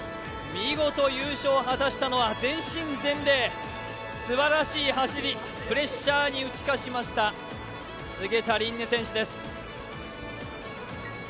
見事優勝を果たしたのは全身全霊、すばらしい走り、プレッシャーに打ち勝ちました菅田琳寧選手です。